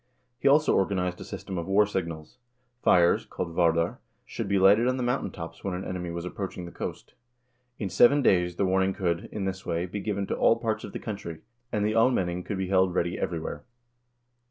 He also organized a system of war signals. Fires, called varder, should be lighted on the mountain tops when an enemy was approach ing the coast. In seven days the warning could, in this way, be given to all parts of the country, and the almenning could be held ready everywhere.